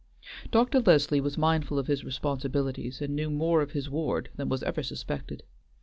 Dr. Leslie was mindful of his responsibilities, and knew more of his ward than was ever suspected.